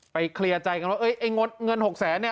ไปเคลียร์ใจกันว่าเอ๊ยไอ้งดเงิน๖๐๐๐๐๐เนี่ย